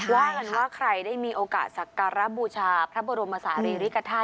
ว่ากันว่าใครได้มีโอกาสสักการะบูชาพระบรมศาลีริกฐาต